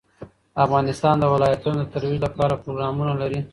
افغانستان د ولایتونو د ترویج لپاره پروګرامونه لري.